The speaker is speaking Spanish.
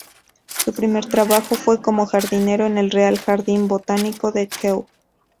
Su primer trabajo fue como jardinero en el Real Jardín Botánico de Kew.